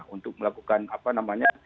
untuk melakukan apa namanya